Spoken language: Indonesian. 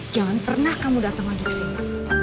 jangan pernah kamu datang lagi kesini